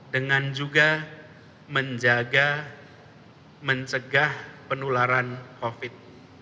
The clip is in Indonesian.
dengan juga menjaga mencegah penularan covid